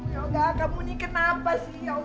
yoga kamu ini kenapa sih yoga